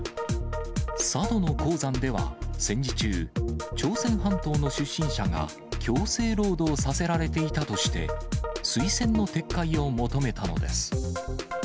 佐渡の鉱山では、戦時中、朝鮮半島の出身者が、強制労働させられていたとして、推薦の撤回を求めたのです。